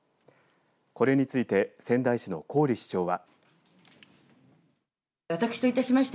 これについて仙台市の郡市長は。